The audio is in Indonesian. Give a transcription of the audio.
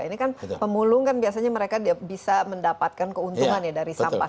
ini kan pemulung kan biasanya mereka bisa mendapatkan keuntungan ya dari sampah